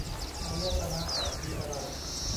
อายตนะ คืออะไร